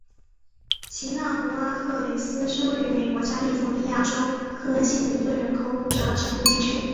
奇纳湖阿克雷斯是位于美国加利福尼亚州克恩县的一个人口普查指定地区。